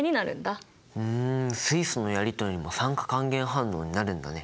ふん水素のやりとりも酸化還元反応になるんだね。